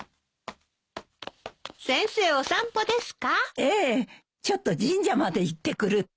ええちょっと神社まで行ってくるって。